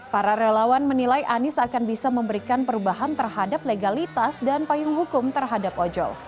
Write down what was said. para relawan menilai anies akan bisa memberikan perubahan terhadap legalitas dan payung hukum terhadap ojol